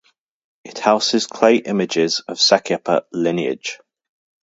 It houses clay images of Sakyapa lineage.